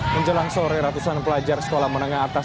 menjelang sore ratusan pelajar sekolah menengah atas